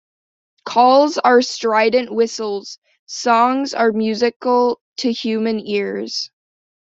Calls are strident whistles; songs are musical to human ears.